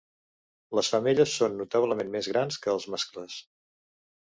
Les femelles són notablement més grans que els mascles.